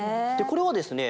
これはですね